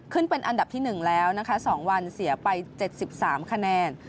เป็นอันดับที่๑แล้วนะคะ๒วันเสียไป๗๓คะแนน